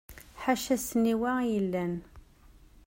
Ḥaca ssniwa i yellan.